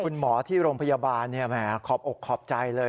คุณหมอที่โรงพยาบาลแหมขอบอกขอบใจเลย